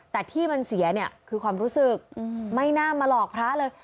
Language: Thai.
แต่ที่มันเสียเนี่ยคือความรู้สึกไม่น่ามาหลอกพระเลย